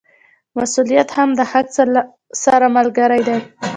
مسوولیت هم د حق سره ملګری دی.